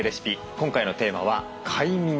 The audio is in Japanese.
今回のテーマは「快眠」です。